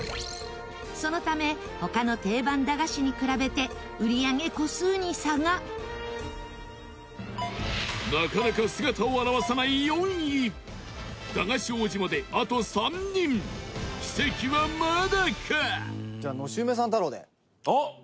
そのため他の定番駄菓子に比べて売上個数に差がなかなか姿を現さない４位駄菓子王子まで、あと３人奇跡は、まだか？